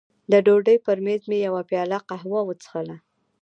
د ډوډۍ پر مېز مې یوه پیاله قهوه وڅښله.